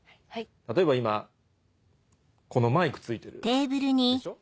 例えば今このマイク付いてるでしょ？